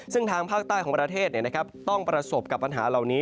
ซึ่งทางภาคใต้ของประเทศต้องประสบกับปัญหาเหล่านี้